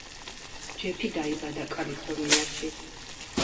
ჯეფი დაიბადა კალიფორნიაში.